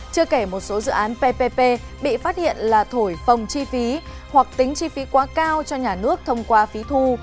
chưa kể một số dự án ppp bị phát hiện là thổi phồng chi phí hoặc tính chi phí quá cao cho nhà nước thông qua phí thu